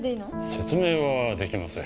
説明はできません。